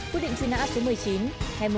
quyết định truy nã số một mươi chín